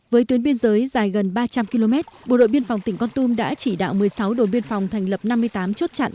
với tuyến biên giới dài gần ba trăm linh km bộ đội biên phòng tỉnh con tum đã chỉ đạo một mươi sáu đội biên phòng thành lập năm mươi tám chốt chặn